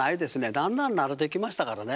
だんだん慣れてきましたからね。